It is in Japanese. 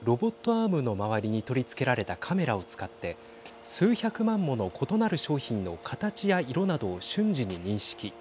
アームの周りに取り付けられたカメラを使って数百万もの異なる商品の形や色などを瞬時に認識。